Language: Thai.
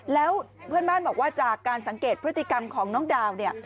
แล้วเพื่อนบ้านบอกว่าจากการสังเกตพฤติกรรมของน้องดาวเนี่ย